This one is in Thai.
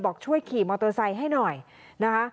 บอกช่วยขี่มอเตอร์ไซค์ให้หน่อยนะคะ